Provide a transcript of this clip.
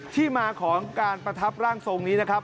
ที่มาของการประทับร่างทรงนี้นะครับ